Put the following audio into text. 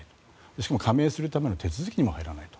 しかも加盟するための手続きにも入らないと。